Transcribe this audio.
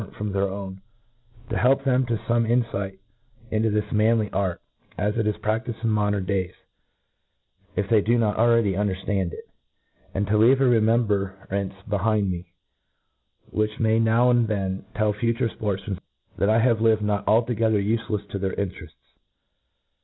cnt from their own ; to help them to fome in fight into thisi manly art, as it is pr^difed in modern days, if they do not already underftancj it ; and to leave a remembrancer Jbehind mp^ which may now and then tell future fportfmen that I lived not altogether ufelefs to their inter efts.